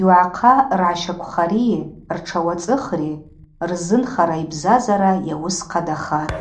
Йуагӏахъа ргӏащаквхари ртшауацӏыхри рзынхара йбзазара йауыс хъадахатӏ.